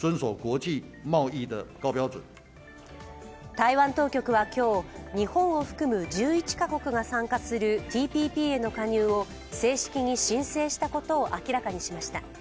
台湾当局は今日、日本を含む１１カ国が参加するＴＰＰへの加入を正式に申請したことを明らかにしました。